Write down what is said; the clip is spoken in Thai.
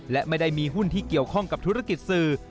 และไม่ได้มีหุ้นที่เกี่ยวข้องกับธุรกิจสื่อ